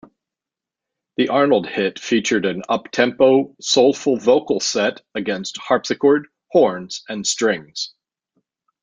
The Arnold hit featured an up-tempo, soulful vocal set against harpsichord, horns, and strings.